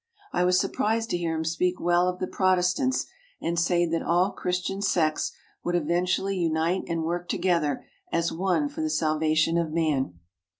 I was surprised to hear him speak well of the Protestants and say that all Christian sects would even tually unite and work together as one for the salvation of man.